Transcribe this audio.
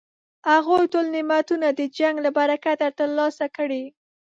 هغوی ټول نعمتونه د جنګ له برکته ترلاسه کړي.